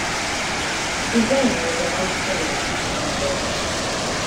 Suzanne was a wonderful lady and a good mom.